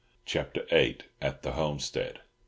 CHAPTER VIII. AT THE HOMESTEAD.